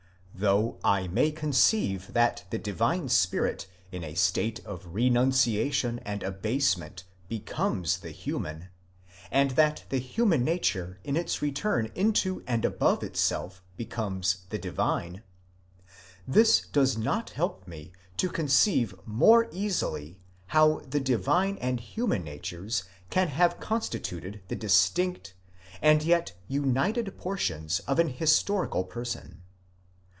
Through I may conceive that the divine spirit in a state of renunciation and. abasement becomes the human, and that the human nature in its return into and above itself becomes the divine ; this does not help me to conceive more easily, how the divine and human natures can have constituted the distinct and yet united portions of an historical person.